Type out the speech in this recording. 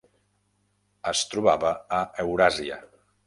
Es trobava a Euràsia.